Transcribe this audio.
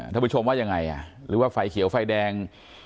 ท่านผู้ชมว่ายังไงหรือว่าไฟเขียวไฟแดง